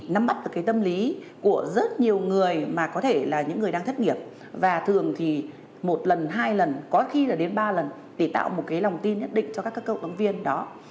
nắm bắt được cái tâm lý của rất nhiều người mà có thể là những người đang thất nghiệp và thường thì một lần hai lần có khi là đến ba lần để tạo một cái lòng tin nhất định cho các cầu ứng viên đó